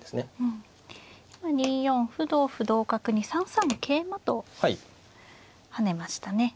２四歩同歩同角に３三桂馬と跳ねましたね。